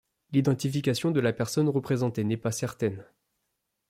L'identification de la personne représentée n'est pas certaine.